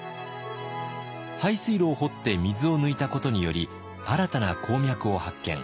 排水路を掘って水を抜いたことにより新たな鉱脈を発見。